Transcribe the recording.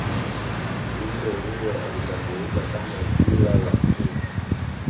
kiumbe huyo alitambulika kama jila la kuvu